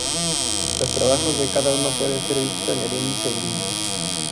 Los trabajos de cada uno puede ser visto en el índice en línea.